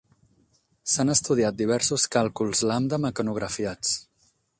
S'han estudiat diversos càlculs lambda mecanografiats.